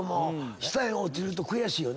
下へ落ちると悔しいよね。